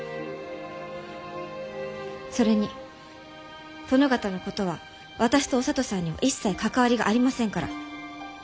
それに殿方のことは私とお聡さんには一切関わりがありませんから。